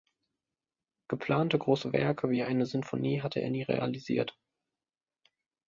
Geplante große Werke wie eine Sinfonie hat er nie realisiert.